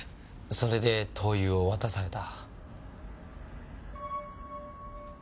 それで灯油を渡された。